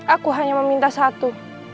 aku hanya meminta satu